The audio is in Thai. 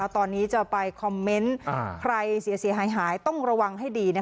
ตอนนี้จะไปคอมเมนต์ใครเสียหายต้องระวังให้ดี